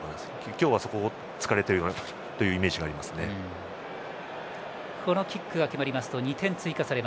今日はそこを突かれているイメージがありますね。